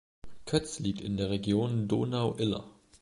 Kötz liegt in der Region Donau-Iller.